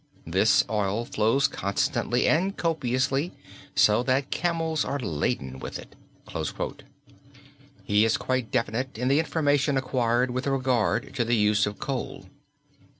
This oil flows constantly and copiously, so that camels are laden with it." He is quite as definite in the information acquired with regard, to the use of coal.